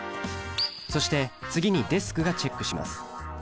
そして次にデスクがチェックします。